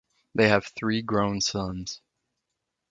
They have three grown sons.